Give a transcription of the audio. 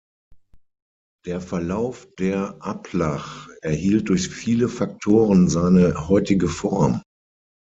Der Verlauf der Ablach erhielt durch viele Faktoren seine heutige Form.